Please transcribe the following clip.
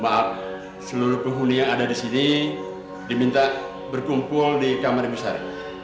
maaf seluruh penghuni yang ada di sini diminta berkumpul di kamar yang besar